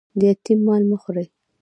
د یتیم مال مه خورئ